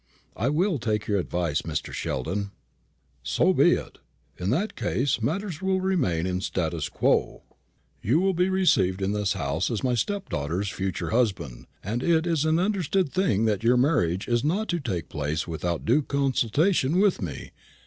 "I will take your advice, Mr. Sheldon." "So be it. In that case matters will remain in statu quo. You will be received in this house as my stepdaughter's future husband, and it is an understood thing that your marriage is not to take place without due consultation with me.